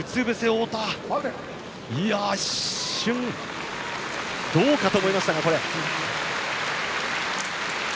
一瞬、どうかと思いましたが。